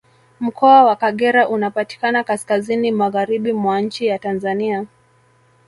Mkoa wa Kagera unapatikana Kaskazini Magharibi mwa nchi ya Tanzania